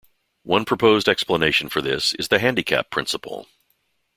One proposed explanation for this is the handicap principle.